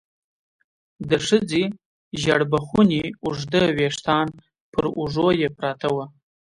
د ښځې ژېړ بخوني اوږده ويښتان پر اوږو يې پراته وو.